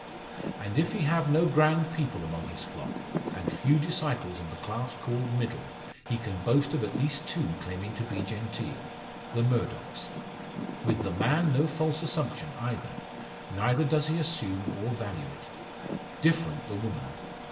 And if he have no grand people among his flock, and few disciples of the class called middle, he can boast of at least two claiming to be genteel the Murdocks. With the man no false assumption either; neither does he assume, or value it. Different the woman.